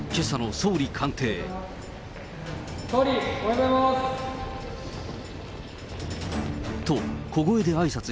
総理、おはようございます。